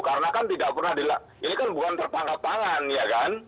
karena kan tidak pernah ini kan bukan tertangkap panggan ya kan